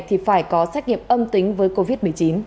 thì phải có xét nghiệm âm tính với covid một mươi chín